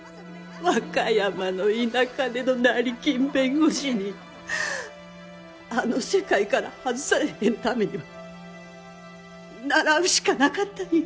和歌山の田舎出の成金弁護士にあの世界から外されへんためには倣うしかなかったんや。